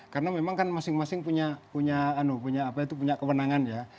karena memang kan masing masing punya kewenangan ya